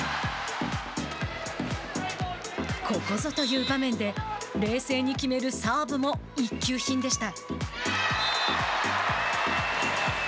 ここぞという場面で冷静に決めるサーブも一級品でした。